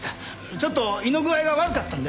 ちょっと胃の具合が悪かったんでね。